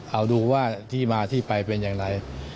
เอาดูว่าที่มาที่ไปเป็นอย่างไร